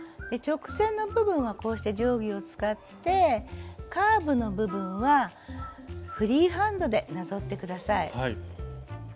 直線の部分はこうして定規を使ってカーブの部分はフリーハンドでなぞって下さい。